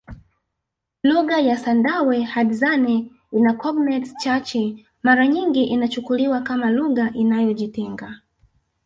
Lugha ya Sandawe Hadzane ina cognates chache mara nyingi inachukuliwa kama lugha inayojitenga